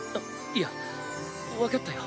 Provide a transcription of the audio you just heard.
いや分かったよ